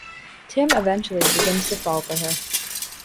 Tim eventually begins to fall for her.